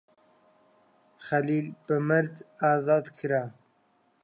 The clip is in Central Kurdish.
خەلیل بە مەرج ئازاد کرا.